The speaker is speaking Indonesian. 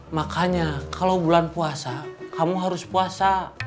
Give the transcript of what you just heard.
makanya kalau bulan puasa kamu harus puasa